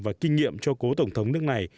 và kinh nghiệm cho cố tổng thống nước này